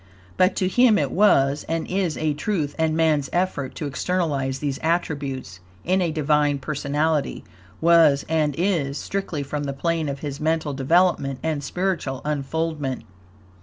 But to him it was, and is, a truth, and man's effort to externalize these attributes in a Divine personality was, and is, strictly from the plane of his mental development and spiritual unfoldment.